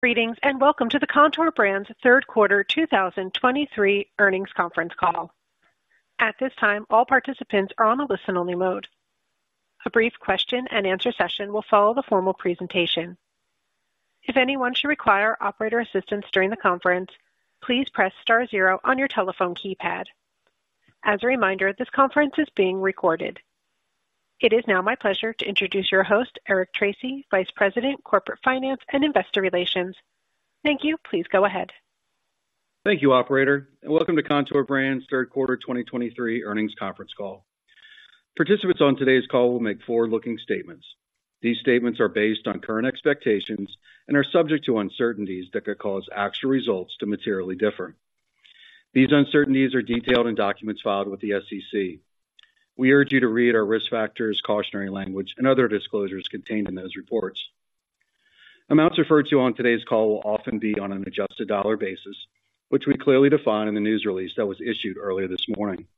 Greetings, and welcome to the Kontoor Brands Q3 2023 Earnings Conference Call. At this time, all participants are on a listen-only mode. A brief Q&A session will follow the formal presentation. If anyone should require operator assistance during the conference, please press star zero on your telephone keypad. As a reminder, this conference is being recorded. It is now my pleasure to introduce your host, Eric Tracy, Vice President, Corporate Finance and Investor Relations. Thank you. Please go ahead. Thank you, operator, and welcome to Kontoor Brands' Q3 2023 Earnings Conference Call. Participants on today's call will make forward-looking statements. These statements are based on current expectations and are subject to uncertainties that could cause actual results to materially differ. These uncertainties are detailed in documents filed with the SEC. We urge you to read our risk factors, cautionary language, and other disclosures contained in those reports. Amounts referred to on today's call will often be on an adjusted dollar basis, which we clearly define in the news release that was issued earlier this morning.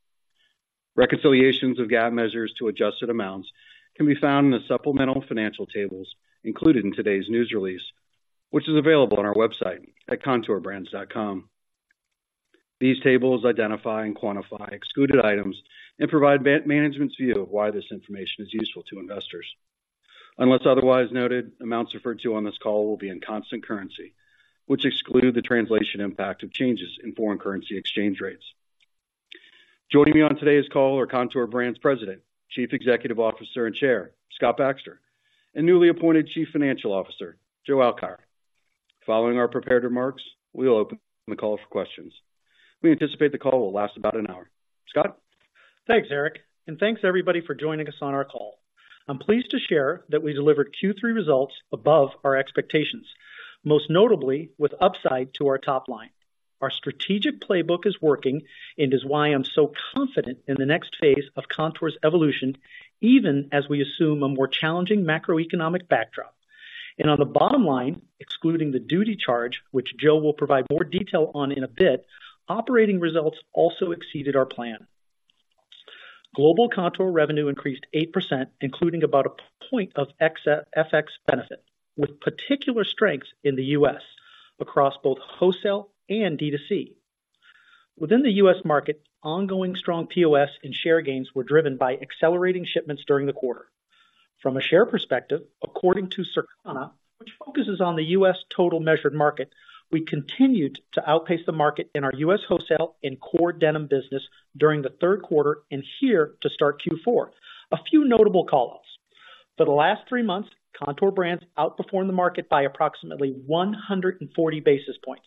Reconciliations of GAAP measures to adjusted amounts can be found in the supplemental financial tables included in today's news release, which is available on our website at kontoorbrands.com. These tables identify and quantify excluded items and provide management's view of why this information is useful to investors. Unless otherwise noted, amounts referred to on this call will be in constant currency, which exclude the translation impact of changes in foreign currency exchange rates. Joining me on today's call are Kontoor Brands' President, Chief Executive Officer, and Chair, Scott Baxter, and newly appointed Chief Financial Officer, Joe Alkire. Following our prepared remarks, we will open the call for questions. We anticipate the call will last about an hour. Scott? Thanks, Eric, and thanks everybody for joining us on our call. I'm pleased to share that we delivered Q3 results above our expectations, most notably with upside to our top line. Our strategic playbook is working and is why I'm so confident in the next phase of Kontoor's evolution, even as we assume a more challenging macroeconomic backdrop. On the bottom line, excluding the duty charge, which Joe will provide more detail on in a bit, operating results also exceeded our plan. Global Kontoor revenue increased 8%, including about a point of ex-FX benefit, with particular strength in the U.S. across both wholesale and D2C. Within the U.S. market, ongoing strong POS and share gains were driven by accelerating shipments during the quarter. From a share perspective, according to Circana, which focuses on the U.S. total measured market, we continued to outpace the market in our U.S. wholesale and core denim business during Q3 and here to start Q4. A few notable callouts. For the last three months, Kontoor Brands outperformed the market by approximately 140 basis points.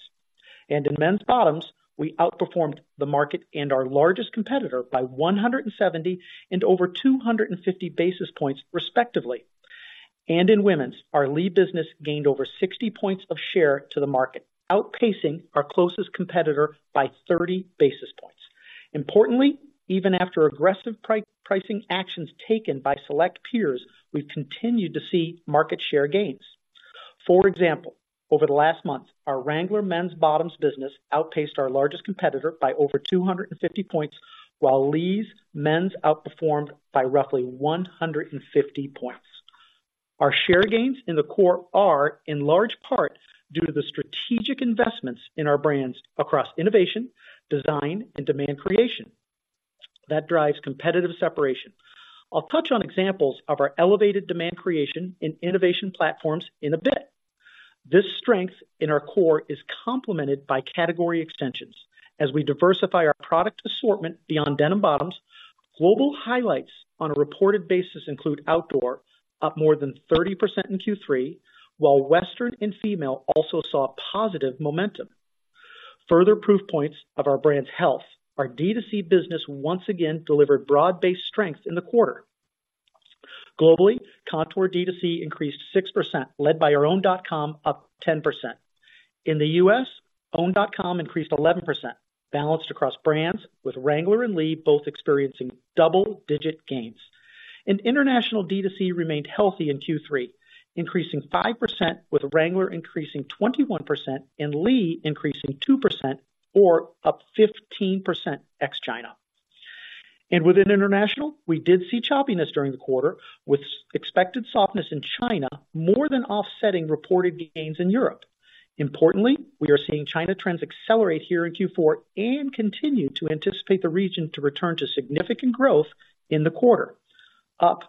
In men's bottoms, we outperformed the market and our largest competitor by 170 and over 250 basis points, respectively. In women's, our Lee business gained over 60 points of share to the market, outpacing our closest competitor by 30 basis points. Importantly, even after aggressive pricing actions taken by select peers, we've continued to see market share gains. For example, over the last month, our Wrangler men's bottoms business outpaced our largest competitor by over 250 points, while Lee's men's outperformed by roughly 150 points. Our share gains in the core are in large part due to the strategic investments in our brands across innovation, design, and demand creation. That drives competitive separation. I'll touch on examples of our elevated demand creation in innovation platforms in a bit. This strength in our core is complemented by category extensions. As we diversify our product assortment beyond denim bottoms, global highlights on a reported basis include outdoor, up more than 30% in Q3, while Western and female also saw positive momentum. Further proof points of our brand's health, our D2C business once again delivered broad-based strength in the quarter. Globally, Kontoor D2C increased 6%, led by our own .com, up 10%. In the US, our own .com increased 11%, balanced across brands, with Wrangler and Lee both experiencing double-digit gains. International D2C remained healthy in Q3, increasing 5%, with Wrangler increasing 21% and Lee increasing 2% or up 15% ex China. Within international, we did see choppiness during the quarter, with expected softness in China, more than offsetting reported gains in Europe. Importantly, we are seeing China trends accelerate here in Q4 and continue to anticipate the region to return to significant growth in the quarter, up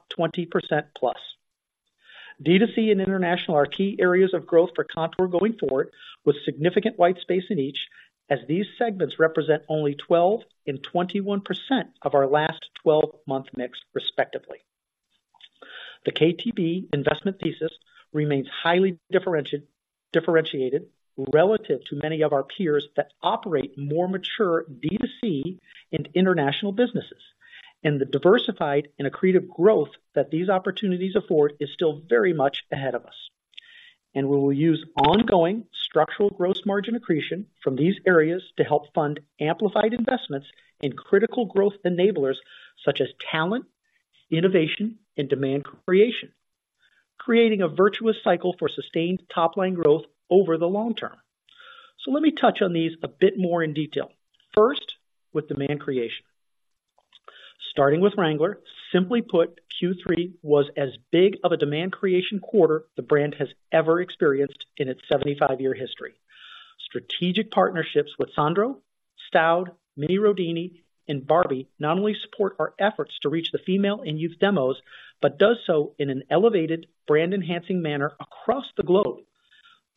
20%+. D2C and international are key areas of growth for Kontoor going forward, with significant white space in each, as these segments represent only 12 and 21% of our last 12-month mix, respectively. The KTB investment thesis remains highly differentiated relative to many of our peers that operate more mature D2C and international businesses, and the diversified and accretive growth that these opportunities afford is still very much ahead of us. We will use ongoing structural gross margin accretion from these areas to help fund amplified investments in critical growth enablers such as talent, innovation, and demand creation, creating a virtuous cycle for sustained top-line growth over the long term. Let me touch on these a bit more in detail. First, with demand creation. Starting with Wrangler, simply put, Q3 was as big of a demand creation quarter the brand has ever experienced in its 75-year history. Strategic partnerships with Sandro, Staud, Mini Rodini, and Barbie not only support our efforts to reach the female and youth demos, but does so in an elevated brand enhancing manner across the globe.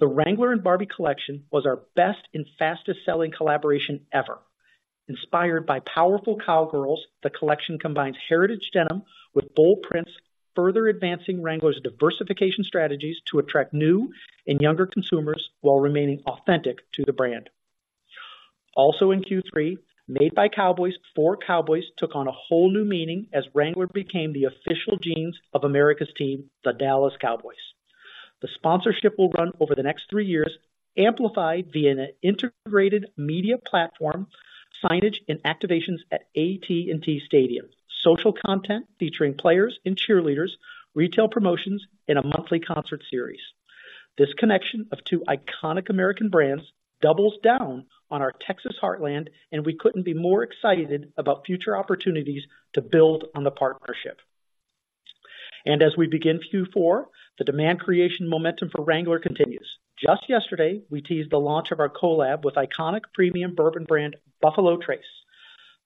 The Wrangler and Barbie collection was our best and fastest selling collaboration ever. Inspired by powerful cowgirls, the collection combines heritage denim with bold prints, further advancing Wrangler's diversification strategies to attract new and younger consumers while remaining authentic to the brand. Also in Q3, made by cowboys for cowboys, took on a whole new meaning as Wrangler became the official jeans of America's team, the Dallas Cowboys. The sponsorship will run over the next three years, amplified via an integrated media platform, signage and activations at AT&T Stadium, social content featuring players and cheerleaders, retail promotions, and a monthly concert series. This connection of two iconic American brands doubles down on our Texas heartland, and we couldn't be more excited about future opportunities to build on the partnership. As we begin Q4, the demand creation momentum for Wrangler continues. Just yesterday, we teased the launch of our collab with iconic premium bourbon brand Buffalo Trace.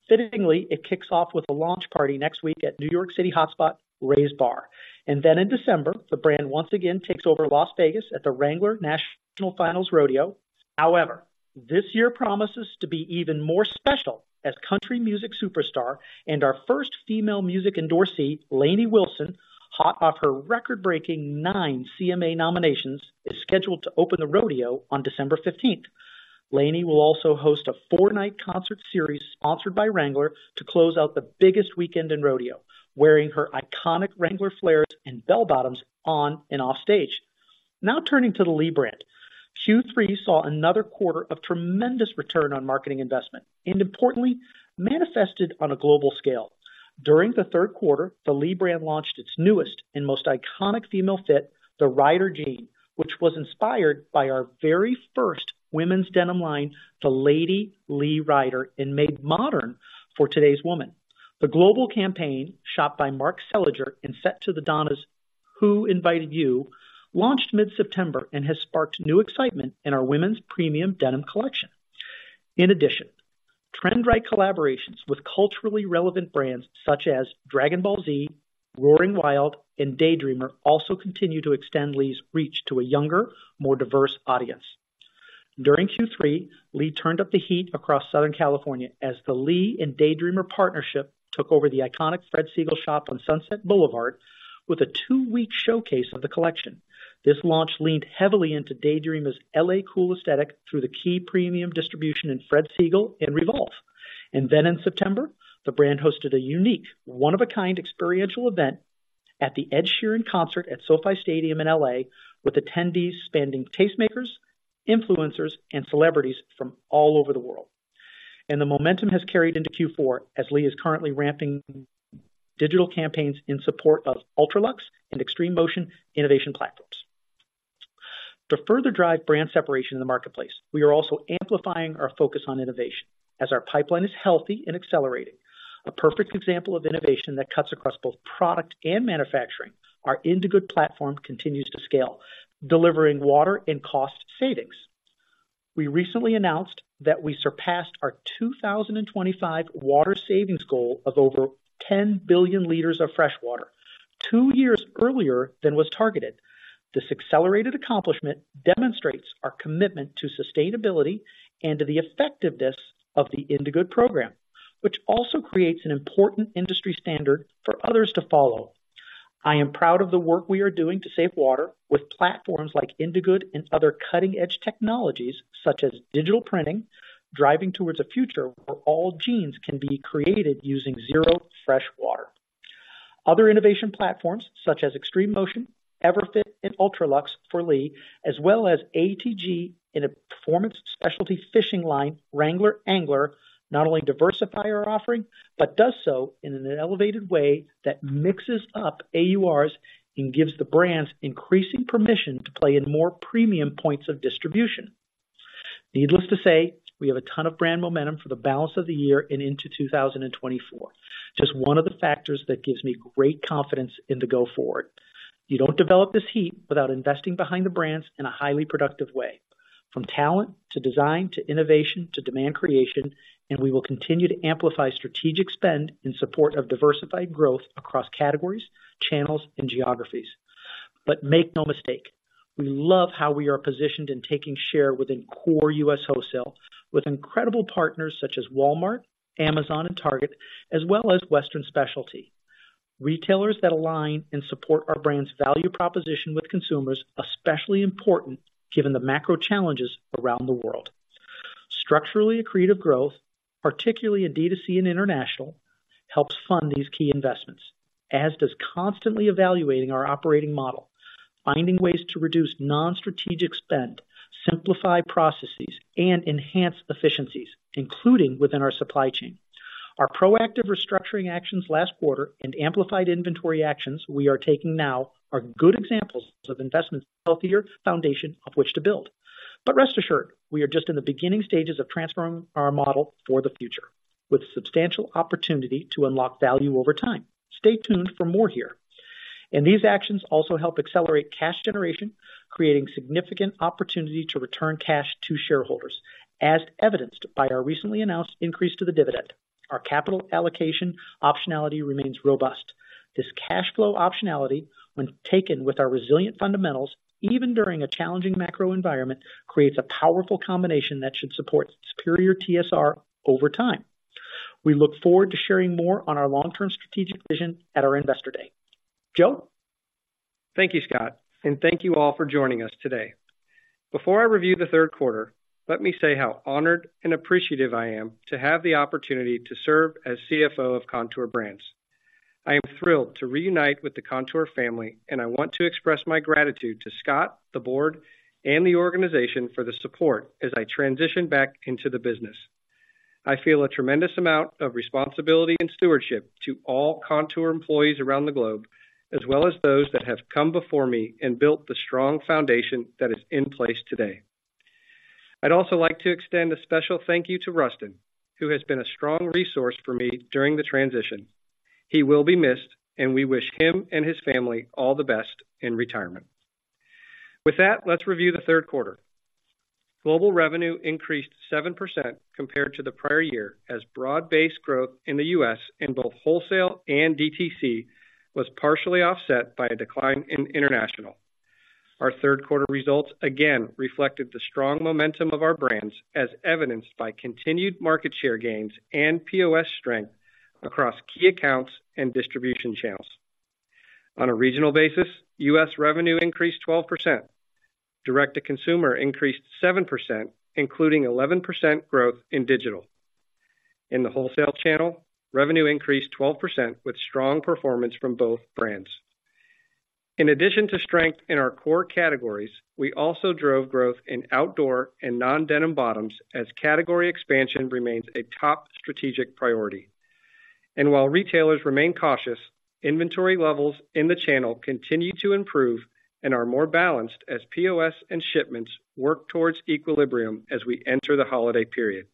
Fittingly, it kicks off with a launch party next week at New York City hotspot, Ray's Bar. Then in December, the brand once again takes over Las Vegas at the Wrangler National Finals Rodeo. However, this year promises to be even more special as country music superstar and our first female music endorsee, Lainey Wilson, hot off her record-breaking nine CMA nominations, is scheduled to open the rodeo on December fifteenth. Lainey will also host a four-night concert series sponsored by Wrangler to close out the biggest weekend in rodeo, wearing her iconic Wrangler flares and bell bottoms on and off stage. Now turning to the Lee brand. Q3 saw another quarter of tremendous return on marketing investment, and importantly, manifested on a global scale. During Q3, the Lee brand launched its newest and most iconic female fit, the Rider Jean, which was inspired by our very first women's denim line, the Lady Lee Rider, and made modern for today's woman. The global campaign, shot by Mark Seliger and set to The Donnas Who Invited You?, launched mid-September and has sparked new excitement in our women's premium denim collection. In addition, trend right collaborations with culturally relevant brands such as Dragon Ball Z, Roaringwild, and Daydreamer also continue to extend Lee's reach to a younger, more diverse audience. During Q3, Lee turned up the heat across Southern California as the Lee and Daydreamer partnership took over the iconic Fred Segal shop on Sunset Boulevard with a two-week showcase of the collection. This launch leaned heavily into Daydreamer's L.A. cool aesthetic through the key premium distribution in Fred Segal and Revolve. And then in September, the brand hosted a unique, one-of-a-kind experiential event at the Ed Sheeran Concert at SoFi Stadium in L.A., with attendees spending tastemakers, influencers, and celebrities from all over the world. And the momentum has carried into Q4, as Lee is currently ramping digital campaigns in support of UltraLux and Extreme Motion innovation platforms. To further drive brand separation in the marketplace, we are also amplifying our focus on innovation as our pipeline is healthy and accelerating. A perfect example of innovation that cuts across both product and manufacturing, our Indigood platform continues to scale, delivering water and cost savings. We recently announced that we surpassed our 2025 water savings goal of over 10 billion liters of freshwater, two years earlier than was targeted. This accelerated accomplishment demonstrates our commitment to sustainability and to the effectiveness of the Indigood program, which also creates an important industry standard for others to follow. I am proud of the work we are doing to save water with platforms like Indigood and other cutting-edge technologies such as digital printing, driving towards a future where all jeans can be created using zero fresh water. Other innovation platforms such as Extreme Motion, Forever Fit and UltraLux for Lee, as well as ATG in a performance specialty fishing line, Wrangler Angler, not only diversify our offering, but does so in an elevated way that mixes up AURs and gives the brands increasing permission to play in more premium points of distribution. Needless to say, we have a ton of brand momentum for the balance of the year and into 2024. Just one of the factors that gives me great confidence in the go forward. You don't develop this heat without investing behind the brands in a highly productive way, from talent, to design, to innovation, to demand creation, and we will continue to amplify strategic spend in support of diversified growth across categories, channels, and geographies. But make no mistake, we love how we are positioned in taking share within core U.S. wholesale, with incredible partners such as Walmart, Amazon, and Target, as well as Western Specialty. Retailers that align and support our brand's value proposition with consumers, especially important given the macro challenges around the world. Structurally, accretive growth, particularly in D2C and international, helps fund these key investments, as does constantly evaluating our operating model, finding ways to reduce non-strategic spend, simplify processes and enhance efficiencies, including within our supply chain. Our proactive restructuring actions last quarter and amplified inventory actions we are taking now are good examples of investments, healthier foundation of which to build... But rest assured, we are just in the beginning stages of transforming our model for the future, with substantial opportunity to unlock value over time. Stay tuned for more here. These actions also help accelerate cash generation, creating significant opportunity to return cash to shareholders, as evidenced by our recently announced increase to the dividend. Our capital allocation optionality remains robust. This cash flow optionality, when taken with our resilient fundamentals, even during a challenging macro environment, creates a powerful combination that should support superior TSR over time. We look forward to sharing more on our long-term strategic vision at our investor day. Joe? Thank you, Scott, and thank you all for joining us today. Before I review Q3, let me say how honored and appreciative I am to have the opportunity to serve as CFO of Kontoor Brands. I am thrilled to reunite with the Kontoor family, and I want to express my gratitude to Scott, the board, and the organization for the support as I transition back into the business. I feel a tremendous amount of responsibility and stewardship to all Kontoor employees around the globe, as well as those that have come before me and built the strong foundation that is in place today. I'd also like to extend a special thank you to Rustin, who has been a strong resource for me during the transition. He will be missed, and we wish him and his family all the best in retirement. With that, let's review Q3. Global revenue increased 7% compared to the prior year, as broad-based growth in the U.S. in both wholesale and DTC was partially offset by a decline in international. Our Q3 results again reflected the strong momentum of our brands, as evidenced by continued market share gains and POS strength across key accounts and distribution channels. On a regional basis, U.S. revenue increased 12%. Direct-to-consumer increased 7%, including 11% growth in digital. In the wholesale channel, revenue increased 12%, with strong performance from both brands. In addition to strength in our core categories, we also drove growth in outdoor and non-denim bottoms as category expansion remains a top strategic priority. While retailers remain cautious, inventory levels in the channel continue to improve and are more balanced as POS and shipments work towards equilibrium as we enter the holiday period.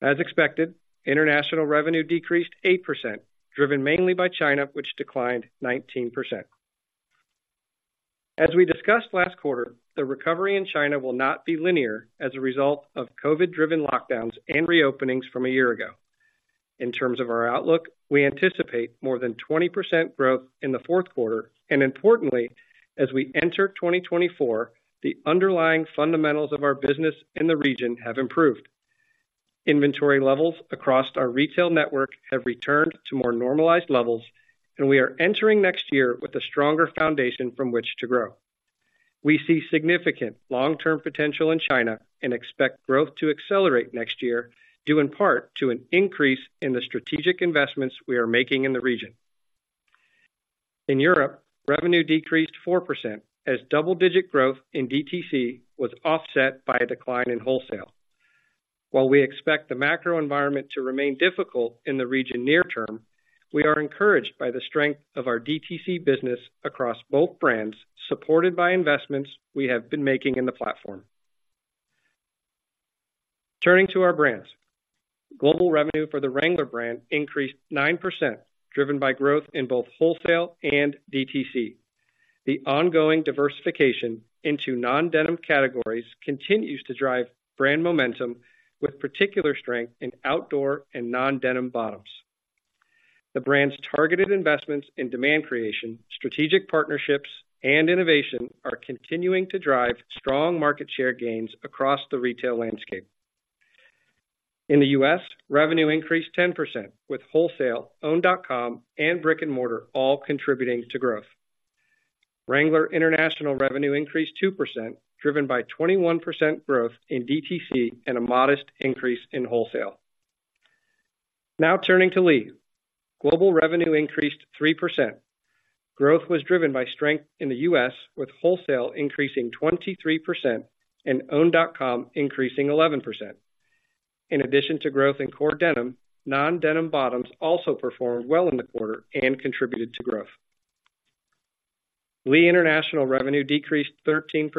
As expected, international revenue decreased 8%, driven mainly by China, which declined 19%. As we discussed last quarter, the recovery in China will not be linear as a result of COVID-driven lockdowns and reopenings from a year ago. In terms of our outlook, we anticipate more than 20% growth in Q4, and importantly, as we enter 2024, the underlying fundamentals of our business in the region have improved. Inventory levels across our retail network have returned to more normalized levels, and we are entering next year with a stronger foundation from which to grow. We see significant long-term potential in China and expect growth to accelerate next year, due in part to an increase in the strategic investments we are making in the region. In Europe, revenue decreased 4%, as double-digit growth in DTC was offset by a decline in wholesale. While we expect the macro environment to remain difficult in the region near term, we are encouraged by the strength of our DTC business across both brands, supported by investments we have been making in the platform. Turning to our brands. Global revenue for the Wrangler brand increased 9%, driven by growth in both wholesale and DTC. The ongoing diversification into non-denim categories continues to drive brand momentum with particular strength in outdoor and non-denim bottoms. The brand's targeted investments in demand creation, strategic partnerships, and innovation are continuing to drive strong market share gains across the retail landscape. In the US, revenue increased 10%, with wholesale, own.com, and brick-and-mortar all contributing to growth. Wrangler international revenue increased 2%, driven by 21% growth in DTC and a modest increase in wholesale. Now turning to Lee. Global revenue increased 3%. Growth was driven by strength in the U.S., with wholesale increasing 23% and own.com increasing 11%. In addition to growth in core denim, non-denim bottoms also performed well in the quarter and contributed to growth. Lee International revenue decreased 13%.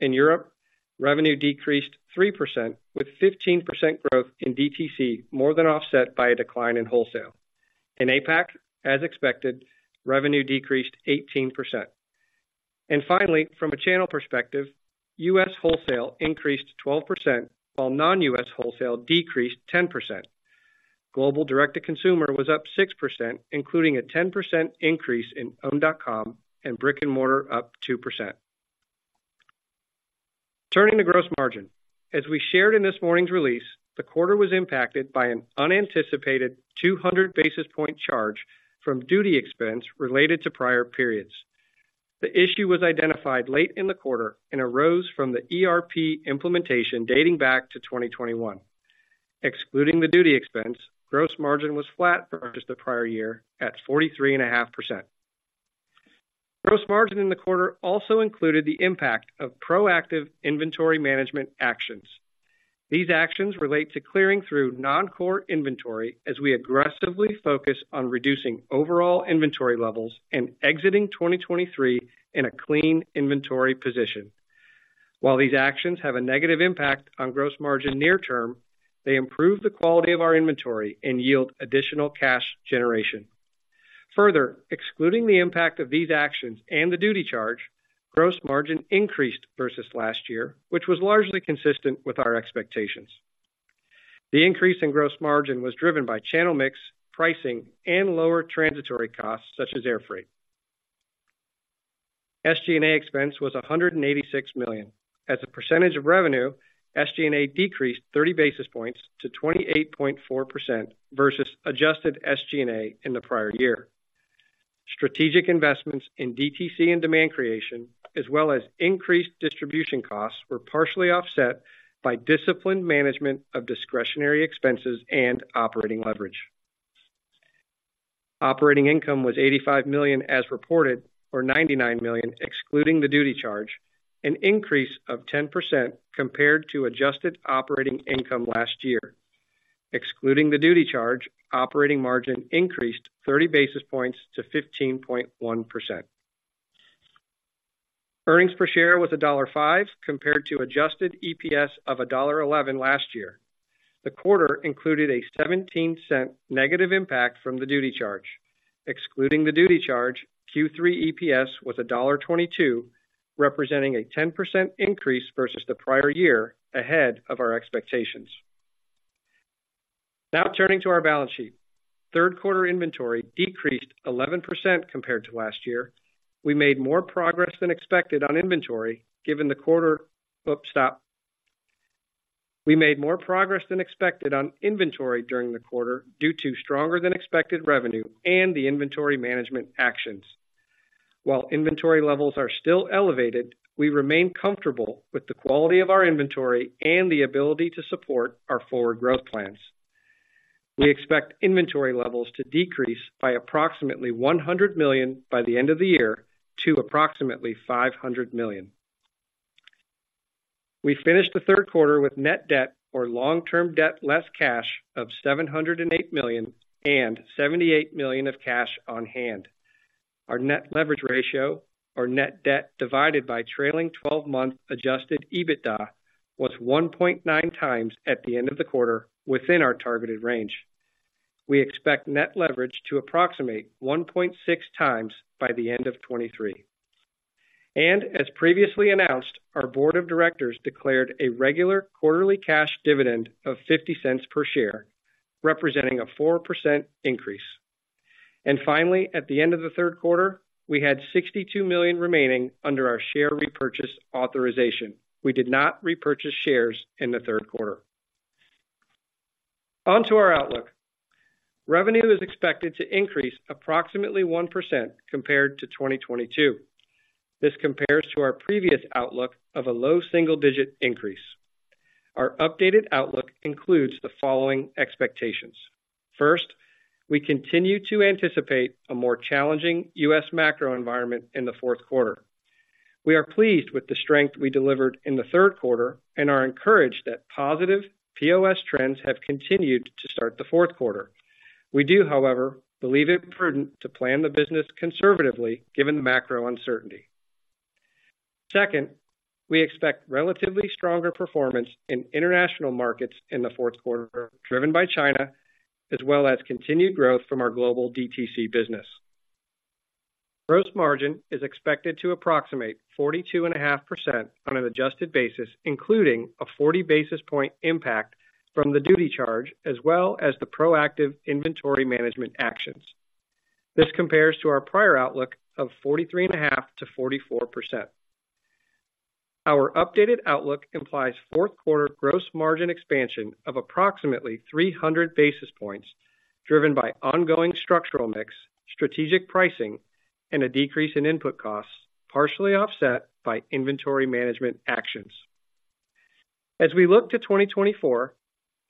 In Europe, revenue decreased 3%, with 15% growth in DTC, more than offset by a decline in wholesale. In APAC, as expected, revenue decreased 18%. And finally, from a channel perspective, U.S. wholesale increased 12%, while non-U.S. wholesale decreased 10%. Global direct-to-consumer was up 6%, including a 10% increase in own.com and brick-and-mortar up 2%. Turning to gross margin. As we shared in this morning's release, the quarter was impacted by an unanticipated 200 basis points charge from duty expense related to prior periods. The issue was identified late in the quarter and arose from the ERP implementation dating back to 2021. Excluding the duty expense, gross margin was flat versus the prior year at 43.5%. Gross margin in the quarter also included the impact of proactive inventory management actions.... These actions relate to clearing through non-core inventory as we aggressively focus on reducing overall inventory levels and exiting 2023 in a clean inventory position. While these actions have a negative impact on gross margin near term, they improve the quality of our inventory and yield additional cash generation. Further, excluding the impact of these actions and the duty charge, gross margin increased versus last year, which was largely consistent with our expectations. The increase in gross margin was driven by channel mix, pricing, and lower transitory costs, such as airfreight. SG&A expense was $186 million. As a percentage of revenue, SG&A decreased 30 basis points to 28.4% versus adjusted SG&A in the prior year. Strategic investments in DTC and demand creation, as well as increased distribution costs, were partially offset by disciplined management of discretionary expenses and operating leverage. Operating income was $85 million as reported, or $99 million, excluding the duty charge, an increase of 10% compared to adjusted operating income last year. Excluding the duty charge, operating margin increased 30 basis points to 15.1%. Earnings per share was $1.05 compared to adjusted EPS of $1.11 last year. The quarter included a $0.17 negative impact from the duty charge. Excluding the duty charge, Q3 EPS was $1.22, representing a 10% increase versus the prior year, ahead of our expectations. Now turning to our balance sheet. Third quarter inventory decreased 11% compared to last year. We made more progress than expected on inventory during the quarter due to stronger than expected revenue and the inventory management actions. While inventory levels are still elevated, we remain comfortable with the quality of our inventory and the ability to support our forward growth plans. We expect inventory levels to decrease by approximately $100 million by the end of the year to approximately $500 million. We finished Q3 with net debt or long-term debt, less cash of $708 million and $78 million of cash on hand. Our net leverage ratio or net debt divided by trailing twelve-month adjusted EBITDA was 1.9 times at the end of the quarter within our targeted range. We expect net leverage to approximate 1.6 times by the end of 2023. As previously announced, our board of directors declared a regular quarterly cash dividend of $0.50 per share, representing a 4% increase. Finally, at the end of Q3, we had $62 million remaining under our share repurchase authorization. We did not repurchase shares in Q3. On to our outlook. Revenue is expected to increase approximately 1% compared to 2022. This compares to our previous outlook of a low single-digit increase. Our updated outlook includes the following expectations. First, we continue to anticipate a more challenging U.S. macro environment in Q4. We are pleased with the strength we delivered in Q3 and are encouraged that positive POS trends have continued to start Q4. We do, however, believe it prudent to plan the business conservatively given the macro uncertainty. Second, we expect relatively stronger performance in international markets in Q4, driven by China, as well as continued growth from our global DTC business. Gross margin is expected to approximate 42.5% on an adjusted basis, including a 40 basis points impact from the duty charge, as well as the proactive inventory management actions. This compares to our prior outlook of 43.5%-44%. Our updated outlook implies Q4 gross margin expansion of approximately 300 basis points, driven by ongoing structural mix, strategic pricing, and a decrease in input costs, partially offset by inventory management actions. As we look to 2024,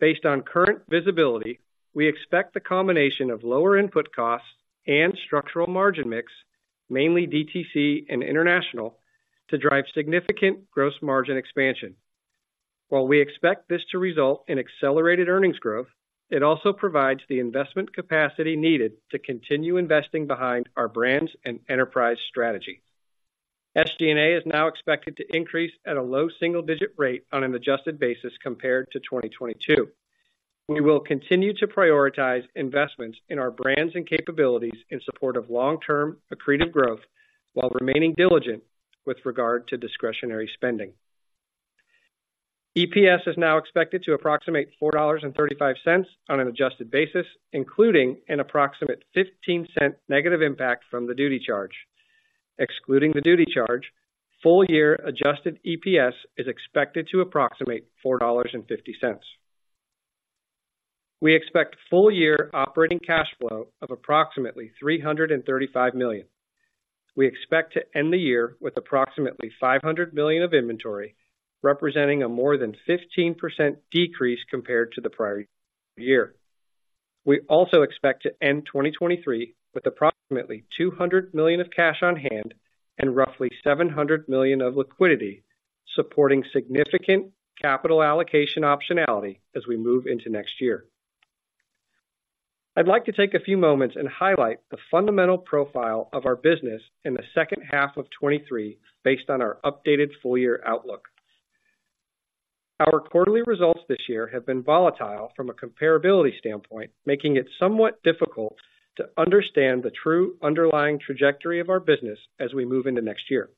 based on current visibility, we expect the combination of lower input costs and structural margin mix, mainly DTC and international, to drive significant gross margin expansion. While we expect this to result in accelerated earnings growth, it also provides the investment capacity needed to continue investing behind our brands and enterprise strategy. SG&A is now expected to increase at a low single digit rate on an adjusted basis compared to 2022. We will continue to prioritize investments in our brands and capabilities in support of long-term accretive growth, while remaining diligent with regard to discretionary spending. EPS is now expected to approximate $4.35 on an adjusted basis, including an approximate $0.15 negative impact from the duty charge. Excluding the duty charge, full year adjusted EPS is expected to approximate $4.50. We expect full year operating cash flow of approximately $335 million. We expect to end the year with approximately $500 million of inventory, representing a more than 15% decrease compared to the prior year. We also expect to end 2023 with approximately $200 million of cash on hand and roughly $700 million of liquidity, supporting significant capital allocation optionality as we move into next year. I'd like to take a few moments and highlight the fundamental profile of our business in H2 2023, based on our updated full year outlook. Our quarterly results this year have been volatile from a comparability standpoint, making it somewhat difficult to understand the true underlying trajectory of our business as we move into next year.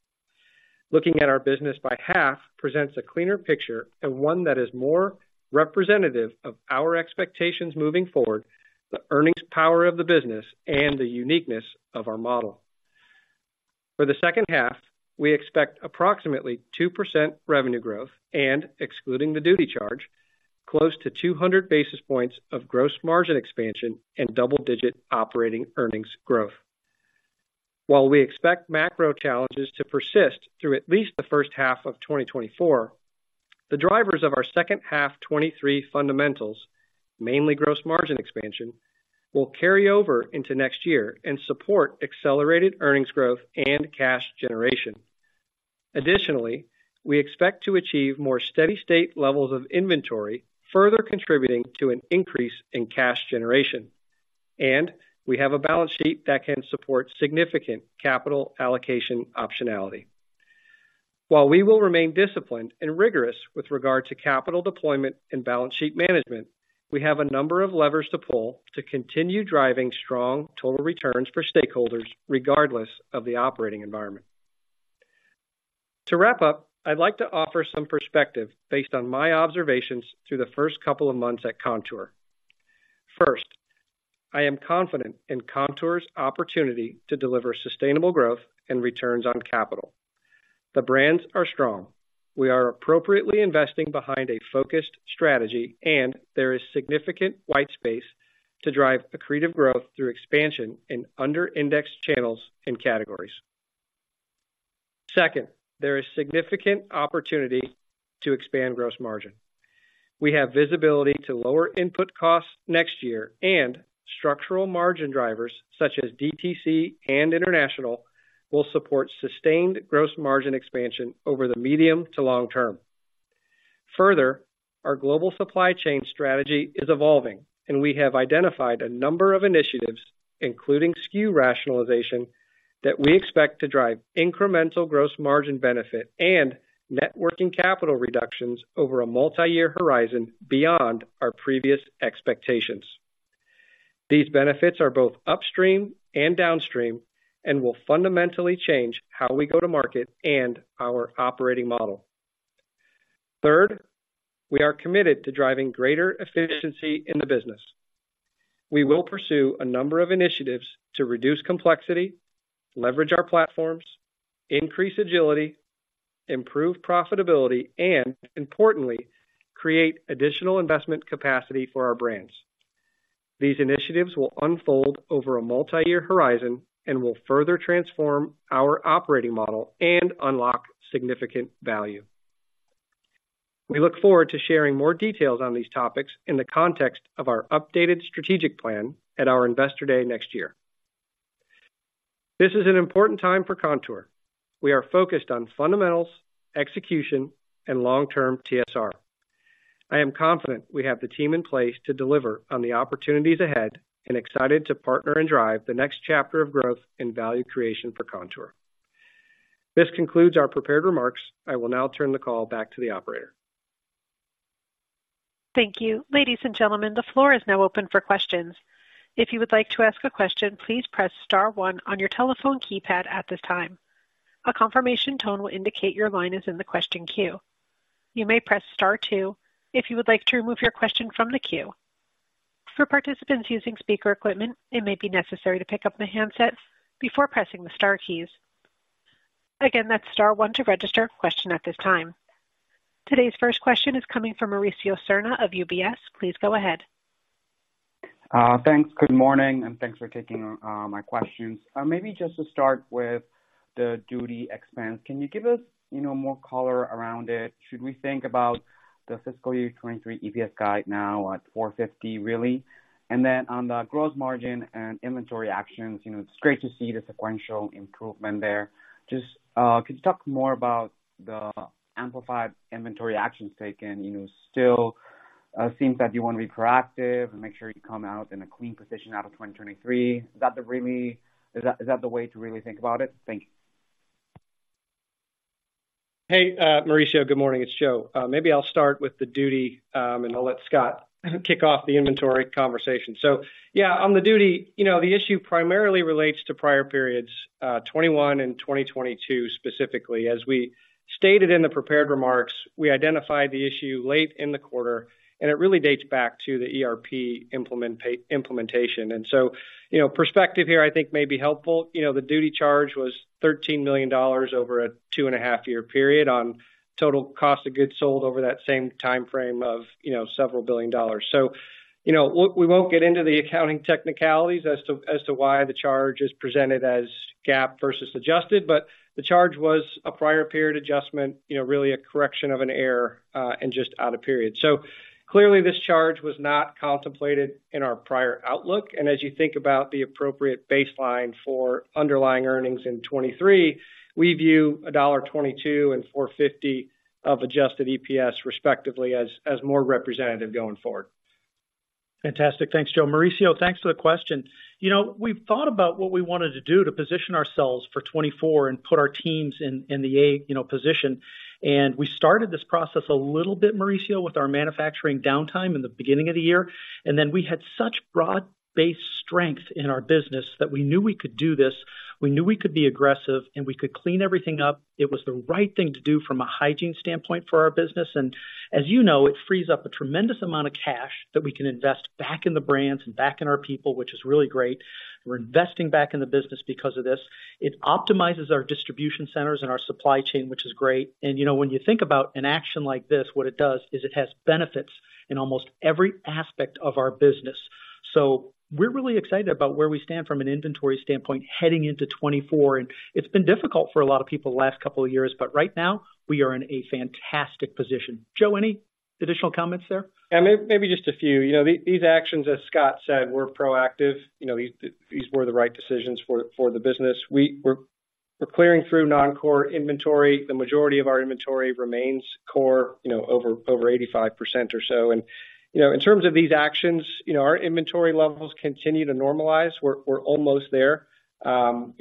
Looking at our business by half presents a cleaner picture and one that is more representative of our expectations moving forward, the earnings power of the business, and the uniqueness of our model. For the second half, we expect approximately 2% revenue growth and excluding the duty charge, close to 200 basis points of gross margin expansion and double-digit operating earnings growth. While we expect macro challenges to persist through at least H1 2024, the drivers of our second half 2023 fundamentals, mainly gross margin expansion, will carry over into next year and support accelerated earnings growth and cash generation. Additionally, we expect to achieve more steady state levels of inventory, further contributing to an increase in cash generation, and we have a balance sheet that can support significant capital allocation optionality. While we will remain disciplined and rigorous with regard to capital deployment and balance sheet management, we have a number of levers to pull to continue driving strong total returns for stakeholders, regardless of the operating environment. To wrap up, I'd like to offer some perspective based on my observations through the first couple of months at Kontoor. First, I am confident in Kontoor's opportunity to deliver sustainable growth and returns on capital. The brands are strong. We are appropriately investing behind a focused strategy, and there is significant white space to drive accretive growth through expansion in under indexed channels and categories. Second, there is significant opportunity to expand gross margin. We have visibility to lower input costs next year, and structural margin drivers such as DTC and international, will support sustained gross margin expansion over the medium to long term. Further, our global supply chain strategy is evolving, and we have identified a number of initiatives, including SKU rationalization, that we expect to drive incremental gross margin benefit and networking capital reductions over a multi-year horizon beyond our previous expectations. These benefits are both upstream and downstream and will fundamentally change how we go to market and our operating model. Third, we are committed to driving greater efficiency in the business. We will pursue a number of initiatives to reduce complexity, leverage our platforms, increase agility, improve profitability, and importantly, create additional investment capacity for our brands. These initiatives will unfold over a multi-year horizon and will further transform our operating model and unlock significant value. We look forward to sharing more details on these topics in the context of our updated strategic plan at our Investor Day next year. This is an important time for Kontoor. We are focused on fundamentals, execution, and long-term TSR. I am confident we have the team in place to deliver on the opportunities ahead and excited to partner and drive the next chapter of growth and value creation for Kontoor. This concludes our prepared remarks. I will now turn the call back to the operator. Thank you. Ladies and gentlemen, the floor is now open for questions. If you would like to ask a question, please press star one on your telephone keypad at this time. A confirmation tone will indicate your line is in the question queue. You may press star two if you would like to remove your question from the queue. For participants using speaker equipment, it may be necessary to pick up the handsets before pressing the star keys. Again, that's star one to register a question at this time. Today's first question is coming from Mauricio Serna of UBS. Please go ahead. Thanks. Good morning, and thanks for taking my questions. Maybe just to start with the duty expense, can you give us, you know, more color around it? Should we think about the fiscal year 2023 EPS guide now at $4.50, really? And then on the gross margin and inventory actions, you know, it's great to see the sequential improvement there. Just, could you talk more about the amplified inventory actions taken? You know, still, seems that you want to be proactive and make sure you come out in a clean position out of 2023. Is that, is that the way to really think about it? Thank you. Hey, Mauricio, good morning. It's Joe. Maybe I'll start with the duty, and I'll let Scott kick off the inventory conversation. So yeah, on the duty, you know, the issue primarily relates to prior periods, 2021 and 2022 specifically. As we stated in the prepared remarks, we identified the issue late in the quarter, and it really dates back to the ERP implementation. And so, you know, perspective here, I think, may be helpful. You know, the duty charge was $13 million over a 2.5-year period on total cost of goods sold over that same timeframe of, you know, several billion dollars. So, you know, look, we won't get into the accounting technicalities as to, as to why the charge is presented as GAAP versus adjusted, but the charge was a prior period adjustment, you know, really a correction of an error, and just out of period. So clearly this charge was not contemplated in our prior outlook. And as you think about the appropriate baseline for underlying earnings in 2023, we view $1.22 and $4.50 of adjusted EPS, respectively, as, as more representative going forward.... Fantastic. Thanks, Joe. Mauricio, thanks for the question. You know, we've thought about what we wanted to do to position ourselves for 2024 and put our teams in the A, you know, position. We started this process a little bit, Mauricio, with our manufacturing downtime in the beginning of the year. Then we had such broad-based strength in our business that we knew we could do this. We knew we could be aggressive, and we could clean everything up. It was the right thing to do from a hygiene standpoint for our business. As you know, it frees up a tremendous amount of cash that we can invest back in the brands and back in our people, which is really great. We're investing back in the business because of this. It optimizes our distribution centers and our supply chain, which is great. You know, when you think about an action like this, what it does is it has benefits in almost every aspect of our business. We're really excited about where we stand from an inventory standpoint, heading into 2024. It's been difficult for a lot of people the last couple of years, but right now we are in a fantastic position. Joe, any additional comments there? Yeah, maybe just a few. You know, these actions, as Scott said, were proactive. You know, these were the right decisions for the business. We're clearing through non-core inventory. The majority of our inventory remains core, you know, over 85% or so. And you know, in terms of these actions, you know, our inventory levels continue to normalize. We're almost there. You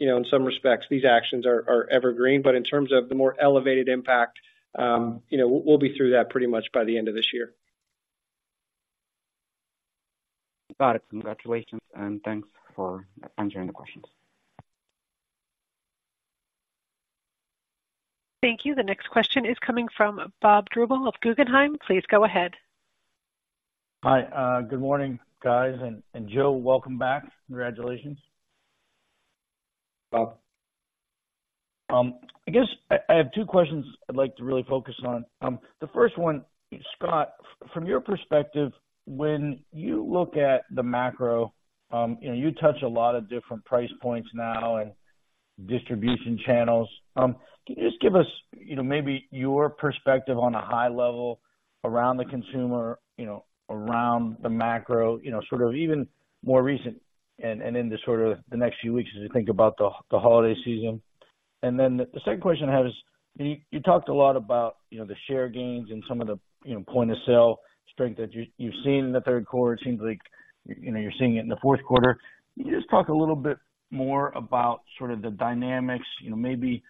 know, in some respects, these actions are evergreen, but in terms of the more elevated impact, you know, we'll be through that pretty much by the end of this year. Got it. Congratulations, and thanks for answering the questions. Thank you. The next question is coming from Bob Drbul of Guggenheim. Please go ahead. Hi, good morning, guys. And Joe, welcome back. Congratulations. Bob. I guess I have two questions I'd like to really focus on. The first one, Scott, from your perspective, when you look at the macro, you know, you touch a lot of different price points now and distribution channels. Can you just give us, you know, maybe your perspective on a high level around the consumer, you know, around the macro, you know, sort of even more recent and in the sort of the next few weeks, as you think about the holiday season? And then the second question I have is, you talked a lot about, you know, the share gains and some of the, you know, point of sale strength that you've seen in Q3. It seems like, you know, you're seeing it in Q4. Can you just talk a little bit more about sort of the dynamics, you know, maybe,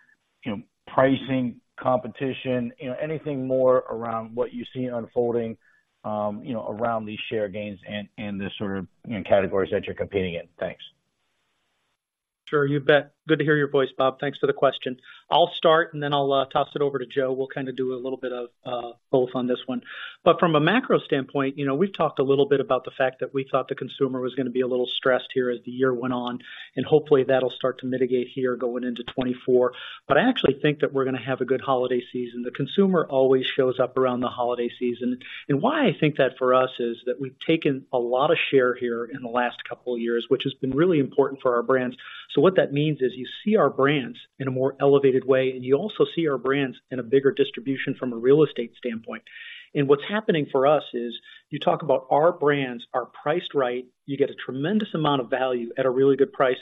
you know, pricing, competition, you know, anything more around what you see unfolding, you know, around these share gains and the sort of categories that you're competing in? Thanks. Sure. You bet. Good to hear your voice, Bob. Thanks for the question. I'll start, and then I'll toss it over to Joe. We'll kind of do a little bit of both on this one. But from a macro standpoint, you know, we've talked a little bit about the fact that we thought the consumer was gonna be a little stressed here as the year went on, and hopefully that'll start to mitigate here going into 2024. But I actually think that we're gonna have a good holiday season. The consumer always shows up around the holiday season. And why I think that for us is that we've taken a lot of share here in the last couple of years, which has been really important for our brands. What that means is you see our brands in a more elevated way, and you also see our brands in a bigger distribution from a real estate standpoint. What's happening for us is, you talk about our brands are priced right. You get a tremendous amount of value at a really good price.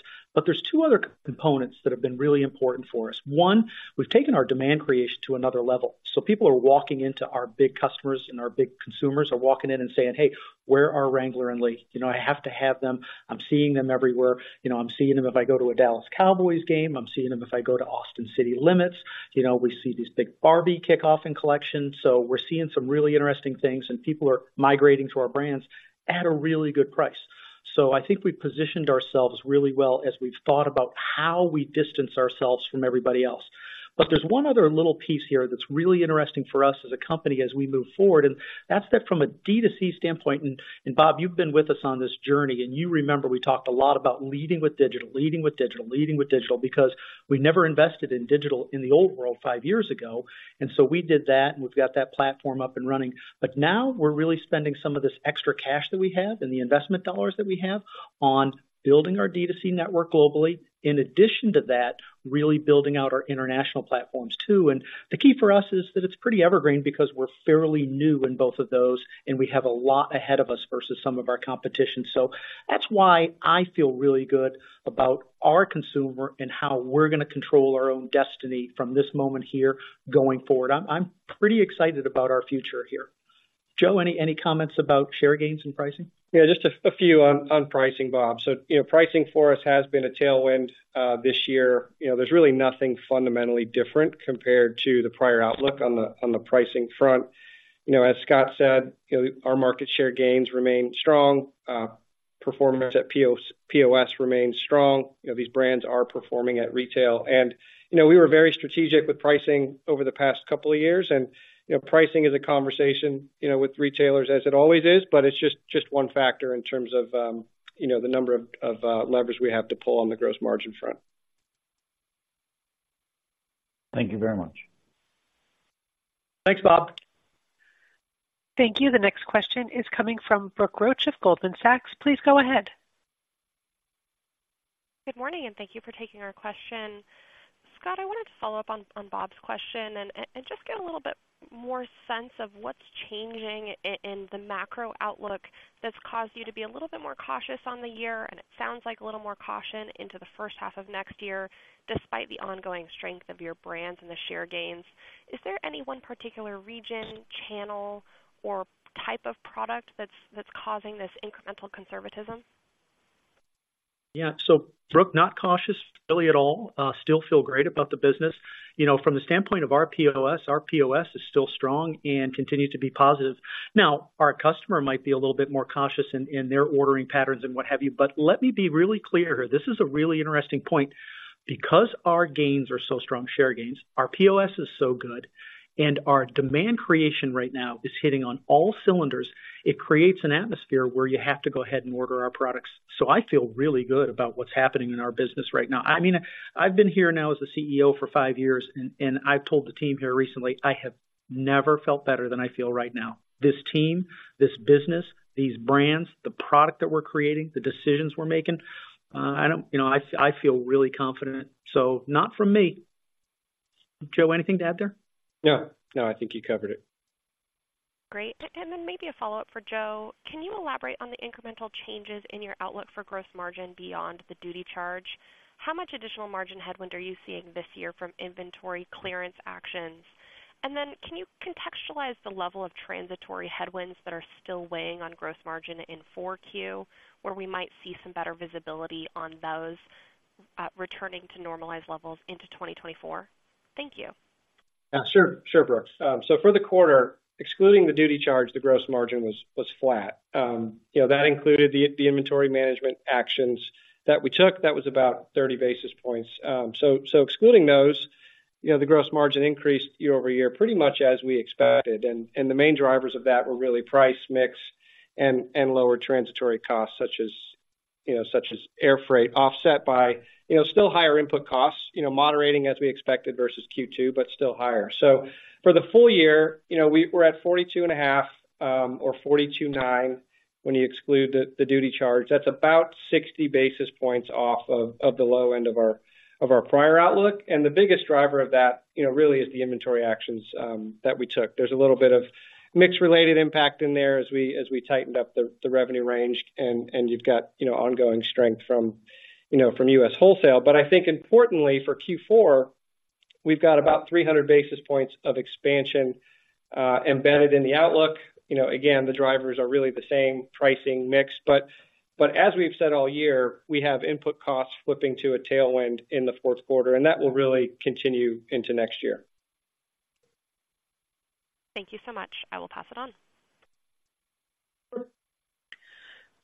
There's two other components that have been really important for us. One, we've taken our demand creation to another level. People are walking into our big customers, and our big consumers are walking in and saying, "Hey, where are Wrangler and Lee? You know, I have to have them. I'm seeing them everywhere. You know, I'm seeing them if I go to a Dallas Cowboys game. I'm seeing them if I go to Austin City Limits. You know, we see these big Barbie kickoff and collections. So we're seeing some really interesting things, and people are migrating to our brands at a really good price. So I think we've positioned ourselves really well as we've thought about how we distance ourselves from everybody else. But there's one other little piece here that's really interesting for us as a company as we move forward, and that's that from a D2C standpoint. And Bob, you've been with us on this journey, and you remember we talked a lot about leading with digital, leading with digital, leading with digital, because we never invested in digital in the old world five years ago. And so we did that, and we've got that platform up and running. But now we're really spending some of this extra cash that we have and the investment dollars that we have on building our D2C network globally. In addition to that, really building out our international platforms too. And the key for us is that it's pretty evergreen because we're fairly new in both of those, and we have a lot ahead of us versus some of our competition. So that's why I feel really good about our consumer and how we're gonna control our own destiny from this moment here going forward. I'm, I'm pretty excited about our future here. Joe, any, any comments about share gains and pricing? Yeah, just a few on pricing, Bob. So you know, pricing for us has been a tailwind this year. You know, there's really nothing fundamentally different compared to the prior outlook on the pricing front. You know, as Scott said, you know, our market share gains remain strong. Performance at POS remains strong. You know, these brands are performing at retail. And, you know, we were very strategic with pricing over the past couple of years. And, you know, pricing is a conversation you know, with retailers, as it always is, but it's just one factor in terms of you know, the number of levers we have to pull on the gross margin front. Thank you very much. Thanks, Bob. Thank you. The next question is coming from Brooke Roach of Goldman Sachs. Please go ahead. Good morning, and thank you for taking our question. Scott, I wanted to follow up on Bob's question and just get a little bit more sense of what's changing in the macro outlook that's caused you to be a little bit more cautious on the year, and it sounds like a little more caution into H1 next year, despite the ongoing strength of your brands and the share gains. Is there any one particular region, channel, or type of product that's causing this incremental conservatism? ... Yeah. So, Brooke, not cautious really at all. Still feel great about the business. You know, from the standpoint of our POS, our POS is still strong and continues to be positive. Now, our customer might be a little bit more cautious in their ordering patterns and what have you. But let me be really clear here, this is a really interesting point. Because our gains are so strong, share gains, our POS is so good, and our demand creation right now is hitting on all cylinders, it creates an atmosphere where you have to go ahead and order our products. So I feel really good about what's happening in our business right now. I mean, I've been here now as a CEO for five years, and I've told the team here recently, I have never felt better than I feel right now. This team, this business, these brands, the product that we're creating, the decisions we're making, you know, I feel really confident. So not from me. Joe, anything to add there? No, no, I think you covered it. Great. Then maybe a follow-up for Joe: Can you elaborate on the incremental changes in your outlook for gross margin beyond the duty charge? How much additional margin headwind are you seeing this year from inventory clearance actions? And then can you contextualize the level of transitory headwinds that are still weighing on gross margin in Q4, where we might see some better visibility on those returning to normalized levels into 2024? Thank you. Yeah, sure. Sure, Brooke. So for the quarter, excluding the duty charge, the gross margin was flat. You know, that included the inventory management actions that we took. That was about 30 basis points. So excluding those, you know, the gross margin increased year-over-year, pretty much as we expected. And the main drivers of that were really price, mix, and lower transitory costs, such as, you know, such as air freight, offset by, you know, still higher input costs, you know, moderating as we expected versus Q2, but still higher. So for the full year, you know, we're at 42.5 or 42.9, when you exclude the duty charge. That's about 60 basis points off of the low end of our prior outlook. The biggest driver of that, you know, really is the inventory actions that we took. There's a little bit of mix-related impact in there as we tightened up the revenue range, and you've got, you know, ongoing strength from, you know, from U.S. wholesale. But I think importantly for Q4, we've got about 300 basis points of expansion embedded in the outlook. You know, again, the drivers are really the same pricing mix, but as we've said all year, we have input costs flipping to a tailwind in Q4, and that will really continue into next year. Thank you so much. I will pass it on.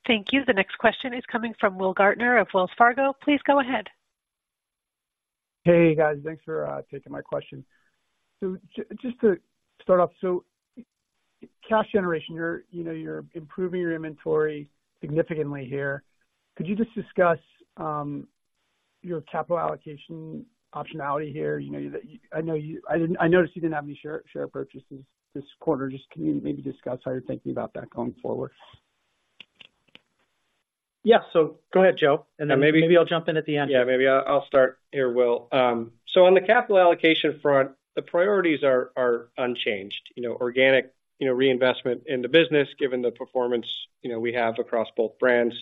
Thank you. The next question is coming from Will Gaertner of Wells Fargo. Please go ahead. Hey, guys, thanks for taking my question. So just to start off, so cash generation, you're, you know, you're improving your inventory significantly here. Could you just discuss your capital allocation optionality here? You know, I know you didn't have any share purchases this quarter. Just can you maybe discuss how you're thinking about that going forward? Yeah. So go ahead, Joe, and then maybe I'll jump in at the end. Yeah, maybe I'll start here, Will. So on the capital allocation front, the priorities are unchanged. You know, organic, you know, reinvestment in the business, given the performance, you know, we have across both brands,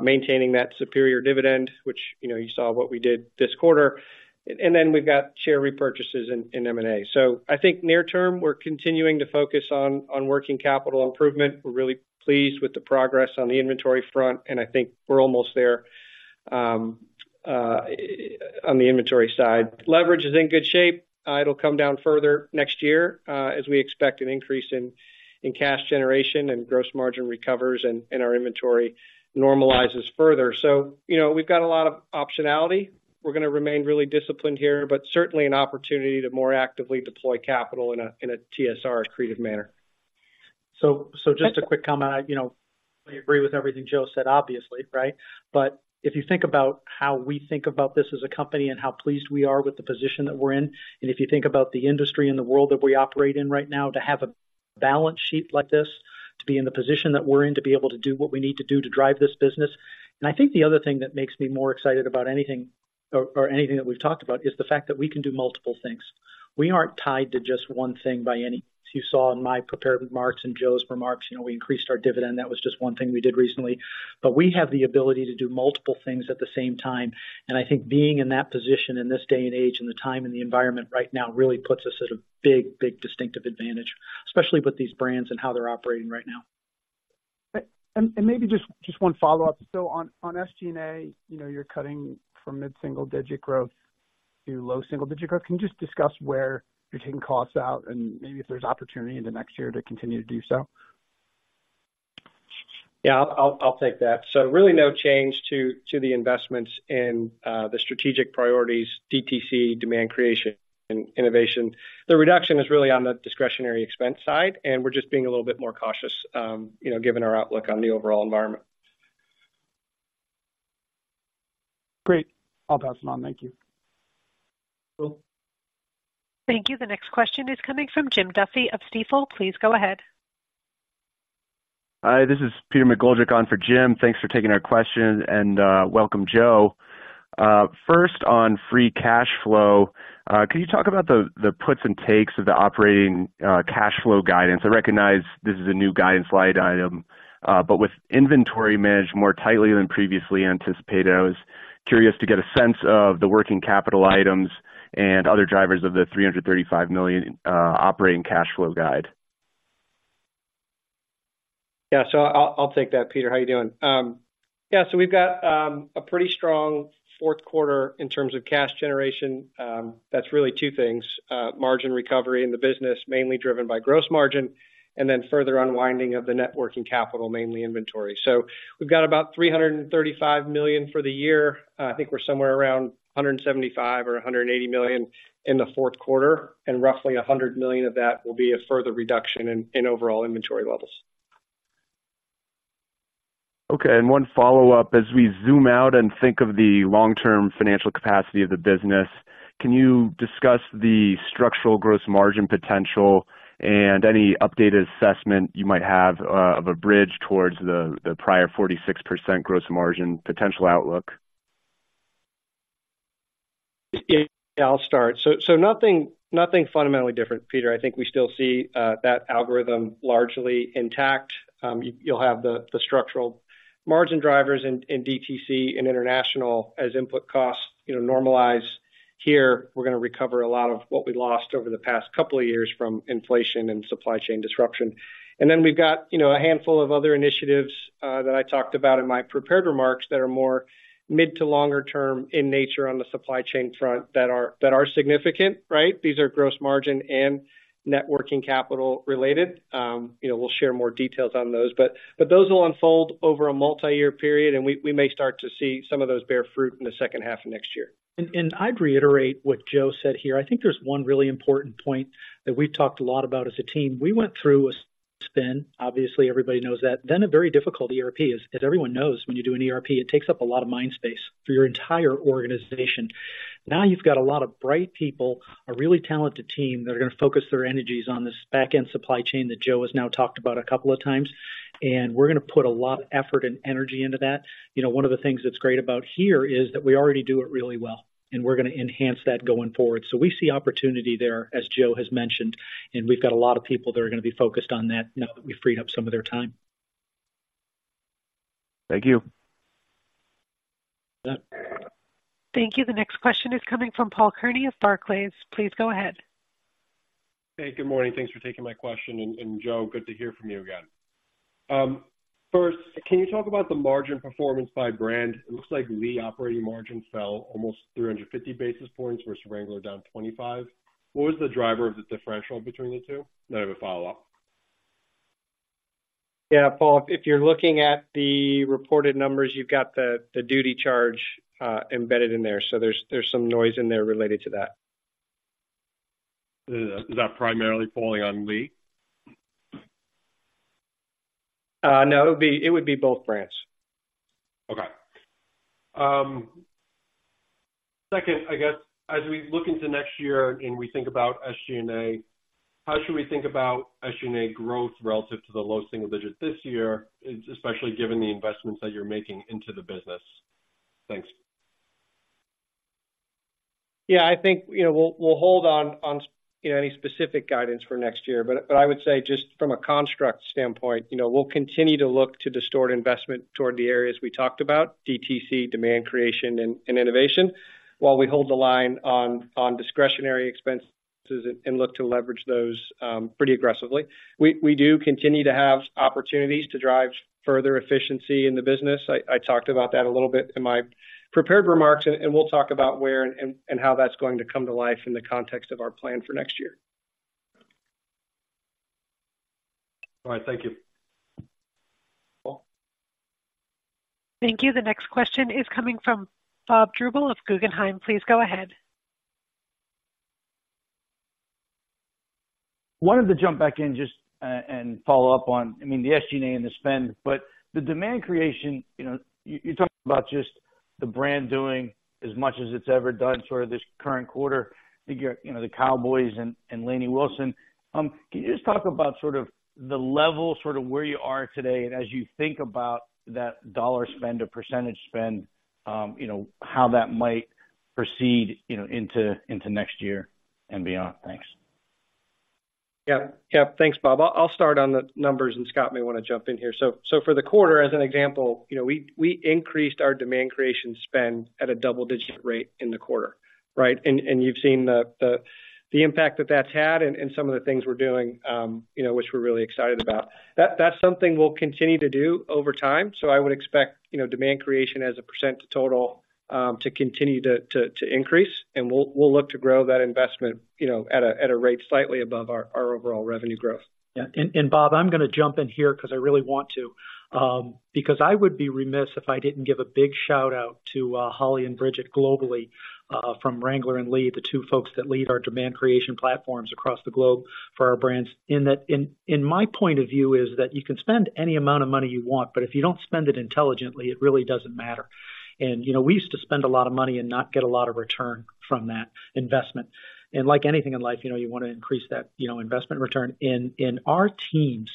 maintaining that superior dividend, which, you know, you saw what we did this quarter. And then we've got share repurchases in M&A. So I think near term, we're continuing to focus on working capital improvement. We're really pleased with the progress on the inventory front, and I think we're almost there on the inventory side. Leverage is in good shape. It'll come down further next year as we expect an increase in cash generation and gross margin recovers and our inventory normalizes further. So, you know, we've got a lot of optionality. We're gonna remain really disciplined here, but certainly an opportunity to more actively deploy capital in a TSR accretive manner. So just a quick comment. I, you know, I agree with everything Joe said, obviously, right? But if you think about how we think about this as a company and how pleased we are with the position that we're in, and if you think about the industry and the world that we operate in right now, to have a balance sheet like this, to be in the position that we're in, to be able to do what we need to do to drive this business. And I think the other thing that makes me more excited about anything or anything that we've talked about, is the fact that we can do multiple things. We aren't tied to just one thing by any... You saw in my prepared remarks and Joe's remarks, you know, we increased our dividend. That was just one thing we did recently. But we have the ability to do multiple things at the same time, and I think being in that position in this day and age, and the time and the environment right now, really puts us at a big, big distinctive advantage, especially with these brands and how they're operating right now. And maybe just one follow-up. So on SG&A, you know, you're cutting from mid-single digit growth to low single digit growth. Can you just discuss where you're taking costs out and maybe if there's opportunity in the next year to continue to do so? Yeah, I'll take that. So really no change to the investments in the strategic priorities, DTC, demand creation and innovation. The reduction is really on the discretionary expense side, and we're just being a little bit more cautious, you know, given our outlook on the overall environment. Great. I'll pass it on. Thank you. Will? Thank you. The next question is coming from Jim Duffy of Stifel. Please go ahead. Hi, this is Peter McGoldrick on for Jim. Thanks for taking our question, and, welcome, Joe. First, on free cash flow, can you talk about the puts and takes of the operating cash flow guidance? I recognize this is a new guidance line item, but with inventory managed more tightly than previously anticipated, I was curious to get a sense of the working capital items and other drivers of the $335 million operating cash flow guide.... Yeah, so I'll, I'll take that, Peter. How you doing? Yeah, so we've got a pretty strong Q4 in terms of cash generation. That's really two things: margin recovery in the business, mainly driven by gross margin, and then further unwinding of the working capital, mainly inventory. So we've got about $335 million for the year. I think we're somewhere around $175 million or $180 million in Q4, and roughly $100 million of that will be a further reduction in overall inventory levels. Okay, and one follow-up. As we zoom out and think of the long-term financial capacity of the business, can you discuss the structural gross margin potential and any updated assessment you might have of a bridge towards the prior 46% gross margin potential outlook? Yeah, I'll start. So nothing, nothing fundamentally different, Peter. I think we still see that algorithm largely intact. You'll have the structural margin drivers in DTC and international as input costs, you know, normalize here. We're gonna recover a lot of what we lost over the past couple of years from inflation and supply chain disruption. And then we've got, you know, a handful of other initiatives that I talked about in my prepared remarks that are more mid to longer term in nature on the supply chain front, that are significant, right? These are gross margin and net working capital related. You know, we'll share more details on those. But those will unfold over a multi-year period, and we may start to see some of those bear fruit in H2 next year. And I'd reiterate what Joe said here. I think there's one really important point that we've talked a lot about as a team. We went through a spin. Obviously, everybody knows that. Then a very difficult ERP, as everyone knows, when you do an ERP, it takes up a lot of mind space for your entire organization. Now, you've got a lot of bright people, a really talented team, that are gonna focus their energies on this back-end supply chain that Joe has now talked about a couple of times, and we're gonna put a lot of effort and energy into that. You know, one of the things that's great about here is that we already do it really well, and we're gonna enhance that going forward. We see opportunity there, as Joe has mentioned, and we've got a lot of people that are gonna be focused on that now that we've freed up some of their time. Thank you. Yeah. Thank you. The next question is coming from Paul Kearney of Barclays. Please go ahead. Hey, good morning. Thanks for taking my question. And, and Joe, good to hear from you again. First, can you talk about the margin performance by brand? It looks like Lee operating margin fell almost 350 basis points versus Wrangler, down 25. What was the driver of the differential between the two? Then I have a follow-up. Yeah, Paul, if you're looking at the reported numbers, you've got the duty charge embedded in there, so there's some noise in there related to that. Is that primarily falling on Lee? No, it would be both brands. Okay. Second, I guess as we look into next year and we think about SG&A, how should we think about SG&A growth relative to the low single digits this year, especially given the investments that you're making into the business? Thanks. Yeah, I think, you know, we'll hold on, you know, any specific guidance for next year, but I would say just from a construct standpoint, you know, we'll continue to look to distort investment toward the areas we talked about, DTC, demand creation, and innovation, while we hold the line on discretionary expenses and look to leverage those pretty aggressively. We do continue to have opportunities to drive further efficiency in the business. I talked about that a little bit in my prepared remarks, and we'll talk about where and how that's going to come to life in the context of our plan for next year. All right. Thank you. Thank you. The next question is coming from Bob Drbul of Guggenheim. Please go ahead. Wanted to jump back in just, and follow up on, I mean, the SG&A and the spend, but the demand creation, you know, you, you talked about just the brand doing as much as it's ever done, sort of this current quarter, you know, the Cowboys and, and Lainey Wilson. Can you just talk about sort of the level, sort of where you are today, and as you think about that dollar spend or percentage spend, you know, how that might proceed, you know, into, into next year and beyond? Thanks. Yeah, yeah. Thanks, Bob. I'll, I'll start on the numbers, and Scott may want to jump in here. So, so for the quarter, as an example, you know, we, we increased our demand creation spend at a double-digit rate in the quarter, right? And, and you've seen the, the, the impact that that's had and, and some of the things we're doing, you know, which we're really excited about. That- that's something we'll continue to do over time. So I would expect, you know, demand creation as a % to total, to continue to, to, to increase, and we'll, we'll look to grow that investment, you know, at a, at a rate slightly above our, our overall revenue growth. Yeah, and Bob, I'm gonna jump in here because I really want to. Because I would be remiss if I didn't give a big shout-out to Holly and Bridget globally from Wrangler and Lee, the two folks that lead our demand creation platforms across the globe for our brands. And my point of view is that you can spend any amount of money you want, but if you don't spend it intelligently, it really doesn't matter. You know, we used to spend a lot of money and not get a lot of return from that investment. And like anything in life, you know, you wanna increase that investment return. Our teams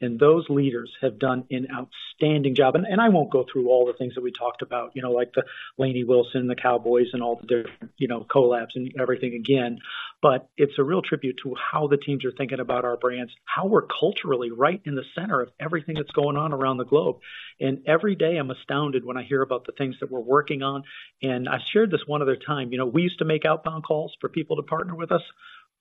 and those leaders have done an outstanding job. And I won't go through all the things that we talked about, you know, like the Lainey Wilson, the Cowboys, and all the different, you know, collabs and everything again. But it's a real tribute to how the teams are thinking about our brands, how we're culturally right in the center of everything that's going on around the globe. And every day, I'm astounded when I hear about the things that we're working on. And I shared this one other time, you know, we used to make outbound calls for people to partner with us...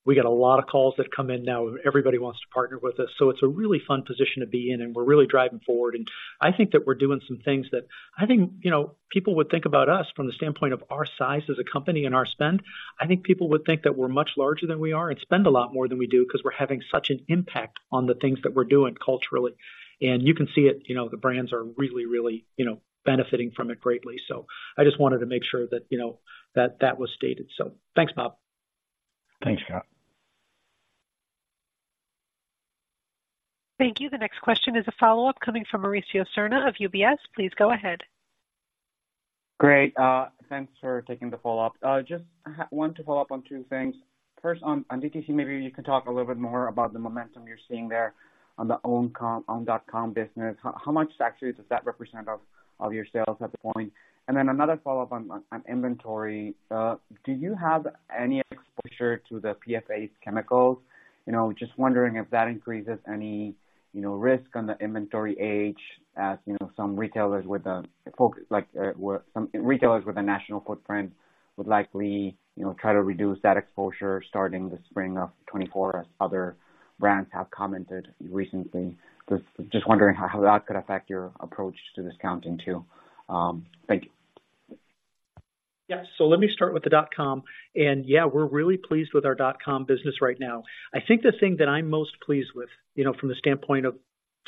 We get a lot of calls that come in now, everybody wants to partner with us. So it's a really fun position to be in, and we're really driving forward. I think that we're doing some things that I think, you know, people would think about us from the standpoint of our size as a company and our spend. I think people would think that we're much larger than we are, and spend a lot more than we do, 'cause we're having such an impact on the things that we're doing culturally. You can see it, you know, the brands are really, really, you know, benefiting from it greatly. I just wanted to make sure that, you know, that that was stated. Thanks, Bob. Thanks, Scott. Thank you. The next question is a follow-up coming from Mauricio Serna of UBS. Please go ahead. Great, thanks for taking the follow-up. Just want to follow up on two things. First, on DTC, maybe you can talk a little bit more about the momentum you're seeing there on the own com, on dot com business. How much actually does that represent of your sales at the point? And then another follow-up on inventory. Do you have any exposure to the PFAS chemicals? You know, just wondering if that increases any, you know, risk on the inventory age, as you know, some retailers with a focus like some retailers with a national footprint would likely, you know, try to reduce that exposure starting the spring of 2024, as other brands have commented recently. Just wondering how that could affect your approach to discounting, too. Thank you. Yeah. So let me start with the dot com. And yeah, we're really pleased with our dot com business right now. I think the thing that I'm most pleased with, you know, from the standpoint of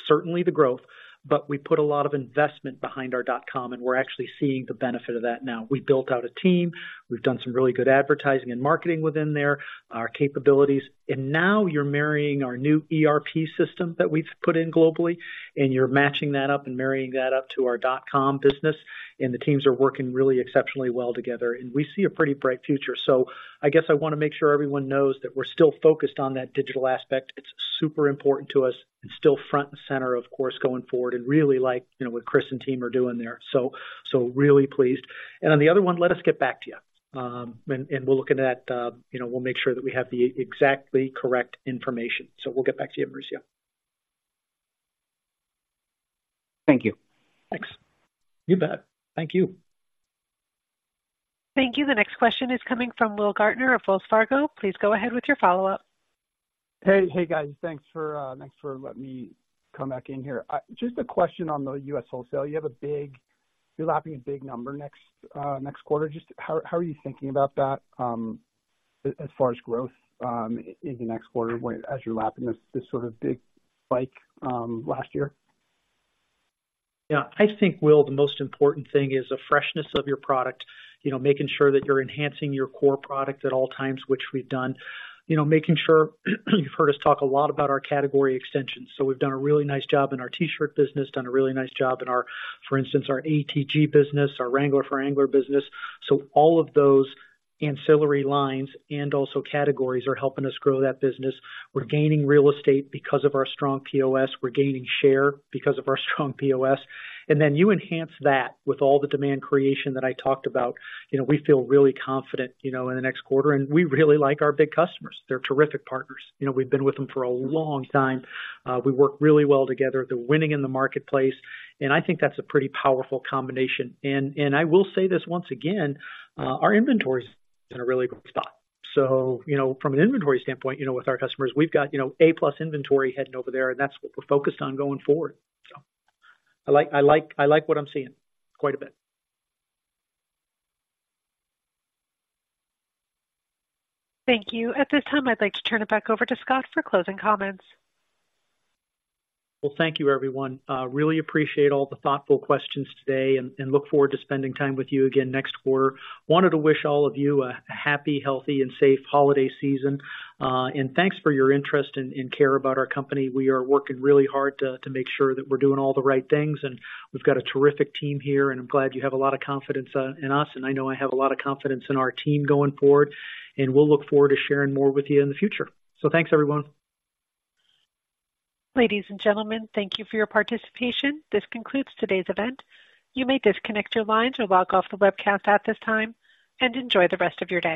certainly the growth, but we put a lot of investment behind our dot com, and we're actually seeing the benefit of that now. We built out a team. We've done some really good advertising and marketing within there, our capabilities. And now you're marrying our new ERP system that we've put in globally, and you're matching that up and marrying that up to our dot com business, and the teams are working really exceptionally well together, and we see a pretty bright future. So I guess I wanna make sure everyone knows that we're still focused on that digital aspect. It's super important to us and still front and center, of course, going forward. And really like, you know, what Chris and team are doing there. So really pleased. And on the other one, let us get back to you. And we'll look into that. You know, we'll make sure that we have the exactly correct information. So we'll get back to you, Mauricio. Thank you. Thanks. You bet. Thank you. Thank you. The next question is coming from Will Gaertner of Wells Fargo. Please go ahead with your follow-up. Hey, hey guys. Thanks for letting me come back in here. Just a question on the U.S. wholesale. You have a big... You're lapping a big number next quarter. Just how are you thinking about that as far as growth in the next quarter as you're lapping this sort of big spike last year? Yeah. I think, Will, the most important thing is the freshness of your product. You know, making sure that you're enhancing your core product at all times, which we've done. You know, making sure, you've heard us talk a lot about our category extensions. So we've done a really nice job in our T-shirt business, done a really nice job in our, for instance, our ATG business, our Wrangler Angler business. So all of those ancillary lines and also categories are helping us grow that business. We're gaining real estate because of our strong POS. We're gaining share because of our strong POS. And then you enhance that with all the demand creation that I talked about. You know, we feel really confident, you know, in the next quarter, and we really like our big customers. They're terrific partners. You know, we've been with them for a long time. We work really well together. They're winning in the marketplace, and I think that's a pretty powerful combination. I will say this once again, our inventory is in a really good spot. So, you know, from an inventory standpoint, you know, with our customers, we've got, you know, A-plus inventory heading over there, and that's what we're focused on going forward. So I like, I like, I like what I'm seeing quite a bit. Thank you. At this time, I'd like to turn it back over to Scott for closing comments. Well, thank you, everyone. Really appreciate all the thoughtful questions today and look forward to spending time with you again next quarter. Wanted to wish all of you a happy, healthy, and safe holiday season. And thanks for your interest and care about our company. We are working really hard to make sure that we're doing all the right things, and we've got a terrific team here, and I'm glad you have a lot of confidence in us, and I know I have a lot of confidence in our team going forward, and we'll look forward to sharing more with you in the future. So thanks, everyone. Ladies and gentlemen, thank you for your participation. This concludes today's event. You may disconnect your lines or log off the webcast at this time, and enjoy the rest of your day.